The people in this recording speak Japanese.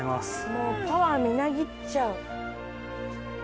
もうパワーみなぎっちゃう。